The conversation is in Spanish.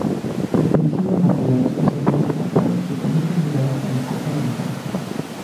Utilizando material especialmente adaptado que permite llegar hasta la copa de los árboles.